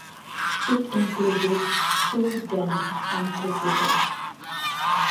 It included Sue Denim and Placebo.